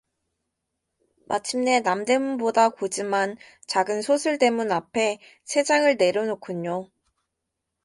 마침내 남대문보다 고즘만 작은 솟을대문 앞에 채장을 내려놓곤요.